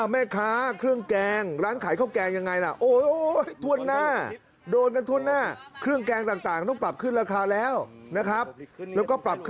แม่ค้าเครื่องแกงร้านขายข้าวแกงยังไงล่ะ